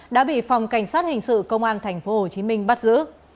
đã bị phòng cảnh sát hình sự công an tp hcm bắt giữ